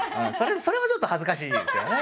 それもちょっと恥ずかしいですけどね。